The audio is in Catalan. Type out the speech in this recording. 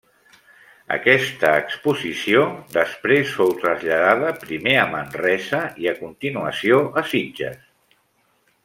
Aquesta exposició després fou traslladada primer a Manresa i a continuació a Sitges.